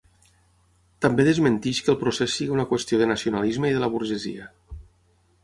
També desmenteix que el procés sigui una qüestió de nacionalisme i de la burgesia.